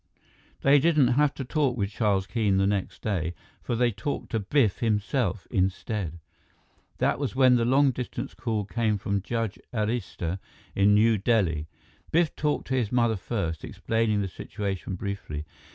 They didn't have to talk with Charles Keene the next day, for they talked to Biff himself instead. That was when the long distance call came from Judge Arista in New Delhi. Biff talked to his mother first, explaining the situation briefly.